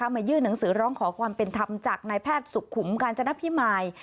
มายื่นหนังสือร้องขอความเป็นธรรมจากนายแพทย์สุขุมกาญจนพิมาย